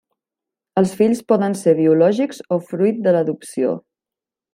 Els fills poden ser biològics o fruit de l'adopció.